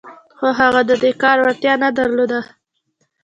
خو هغه د دې کار وړتيا نه درلوده.